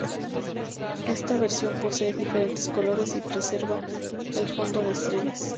Esta versión posee diferentes colores y preserva el fondo de estrellas.